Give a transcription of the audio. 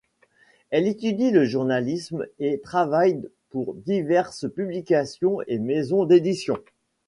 Elle étudie le journalisme et travaille pour diverses publications et maisons d'éditions.